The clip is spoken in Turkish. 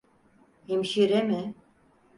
Hemşire mi?